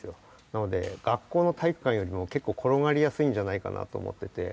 なので学校の体育館よりも結構転がりやすいんじゃないかなと思ってて。